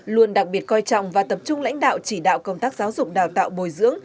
luôn đặc biệt coi trọng và tập trung lãnh đạo chỉ đạo công tác giáo dục đào tạo bồi dưỡng